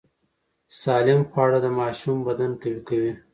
سالم خواړه د ماشوم بدن قوي کوي۔